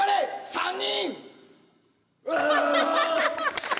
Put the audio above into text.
３人！